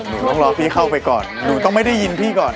หนูต้องรอพี่เข้าไปก่อนหนูต้องไม่ได้ยินพี่ก่อน